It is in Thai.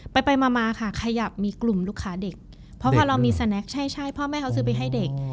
ไปไปมามาค่ะขยับมีกลุ่มลูกค้าเด็กเพราะพอเรามีสแนคใช่ใช่พ่อแม่เขาซื้อไปให้เด็ก